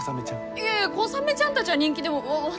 いやいやコサメちゃんたちは人気でも私。